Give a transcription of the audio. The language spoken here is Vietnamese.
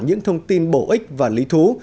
những thông tin bổ ích và lý thú